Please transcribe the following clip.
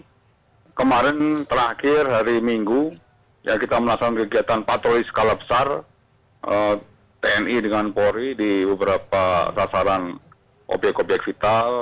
jadi kemarin terakhir hari minggu ya kita melaksanakan kegiatan patroli skala besar tni dengan polri di beberapa sasaran obyek obyek vital